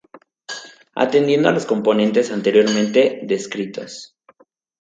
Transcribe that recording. Atendiendo a los componentes anteriormente descritos.